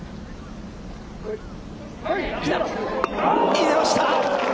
入れました。